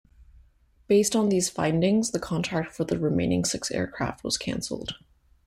Based on these findings, the contract for the remaining six aircraft was cancelled.